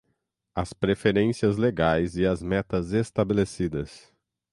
as preferências legais e as metas estabelecidas